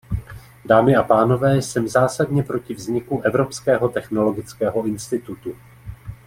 Dámy a pánové, jsem zásadně proti vzniku Evropského technologického institutu.